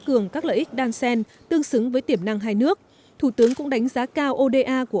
cường các lợi ích đan sen tương xứng với tiềm năng hai nước thủ tướng cũng đánh giá cao oda của